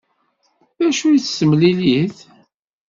D acu-tt temlellit?